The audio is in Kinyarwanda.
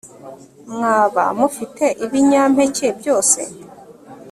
mwaba mufite ibinyampeke byose